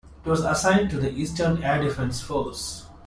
It was assigned to the Eastern Air Defense Force.